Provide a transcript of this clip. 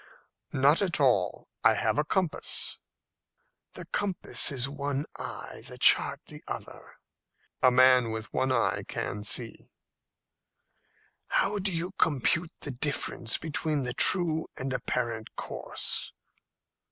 "Not at all. I have a compass." "The compass is one eye, the chart the other." "A man with one eye can see." "How do you compute the difference between the true and apparent course?"